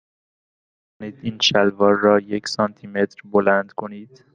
می توانید این شلوار را یک سانتی متر بلند کنید؟